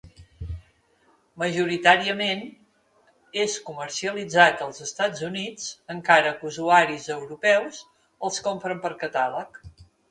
Majoritàriament és comercialitzat als Estats Units, encara que usuaris europeus els compren per catàleg.